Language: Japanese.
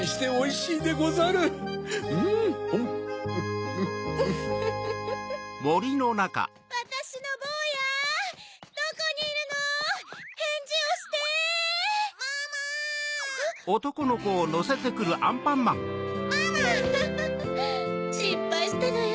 しんぱいしたのよ。